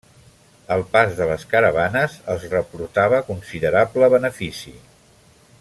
El pas de les caravanes els reportava considerable benefici.